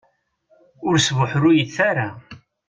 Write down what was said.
Ur sbuḥruyet ara.